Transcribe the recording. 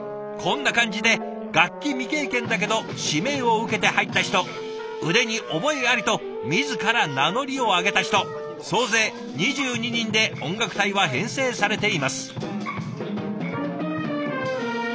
こんな感じで楽器未経験だけど指名を受けて入った人腕に覚えありと自ら名乗りを上げた人総勢２２人で音楽隊は編成されています。